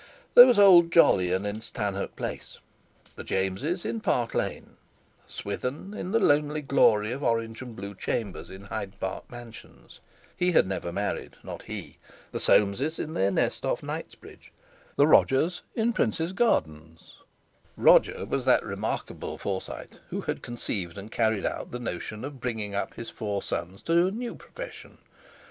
There was old Jolyon in Stanhope Place; the Jameses in Park Lane; Swithin in the lonely glory of orange and blue chambers in Hyde Park Mansions—he had never married, not he—the Soamses in their nest off Knightsbridge; the Rogers in Prince's Gardens (Roger was that remarkable Forsyte who had conceived and carried out the notion of bringing up his four sons to a new profession.